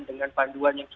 dengan panduan yang berat